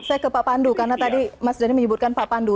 saya ke pak pandu karena tadi mas dhani menyebutkan pak pandu